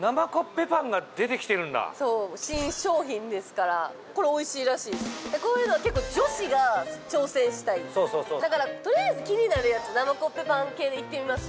今そう新商品ですからこれおいしいらしいですでこういうの結構女子が挑戦したいだからとりあえず気になるやつ生コッペパン系でいってみます？